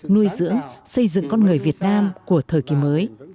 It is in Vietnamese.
nuôi dưỡng xây dựng con người việt nam của thời kỳ mới